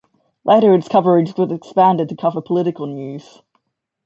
Later its coverage was expanded to cover political news.